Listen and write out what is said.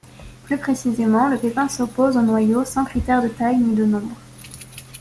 Plus précisément le pépin s'oppose au noyau sans critère de taille ni de nombre.